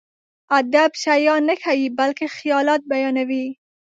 ادب شيان نه ښيي، بلکې خيالات بيانوي.